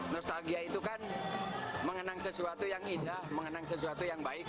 nostalgia itu kan mengenang sesuatu yang indah mengenang sesuatu yang baik